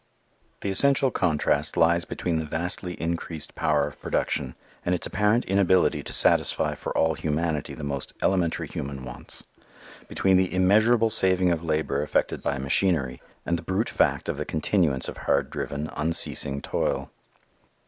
The essential contrast lies between the vastly increased power of production and its apparent inability to satisfy for all humanity the most elementary human wants; between the immeasurable saving of labor effected by machinery and the brute fact of the continuance of hard driven, unceasing toil.